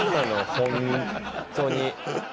本当に」